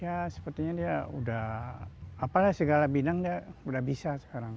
ya sepertinya dia udah apalah segala bidang dia udah bisa sekarang